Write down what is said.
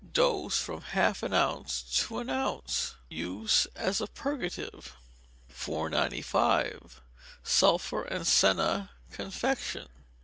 Dose, from half an ounce to an ounce. Use as a purgative. 495. Sulphur and Senna Confection.